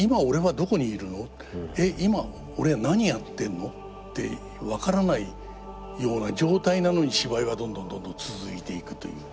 えっ今俺何やってんの？」って分からないような状態なのに芝居はどんどんどんどん続いていくという。